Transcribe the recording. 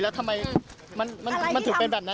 แล้วทำไมมันถือเป็นแบบนั้นหรือครับคุณแม่